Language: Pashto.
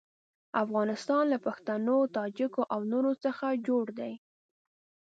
افغانستان له پښتنو، تاجکو او نورو څخه جوړ دی.